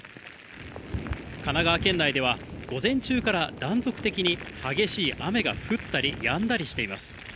神奈川県内では、午前中から断続的に激しい雨が降ったりやんだりしています。